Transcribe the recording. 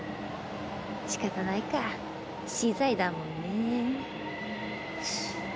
仕方ないか死罪だもんねえ。